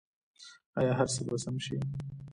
آیا هر څه به سم شي؟